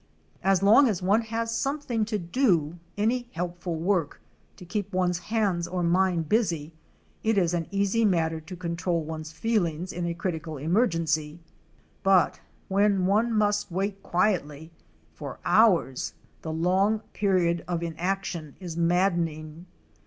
As long as one has something to do, any helpful work, to keep one's hands or mind busy, it is an easy matter to control one's feelings in a critical emergency. But when one must wait quietly for hours, the long period of inaction is maddening.